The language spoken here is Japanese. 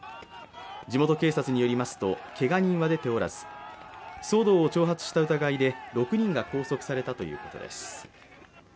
地元警察によりますと、けが人は出ておらず騒動を挑発した疑いで６人が拘束されたということです。